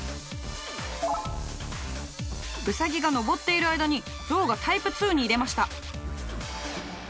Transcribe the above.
ウサギが上っている間にゾウがタイプ２に入れました。